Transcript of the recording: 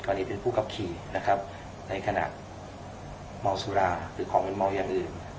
ตอนนี้เป็นผู้ขับขี่นะครับในขณะเมาสุราหรือของมันเมาอย่างอื่น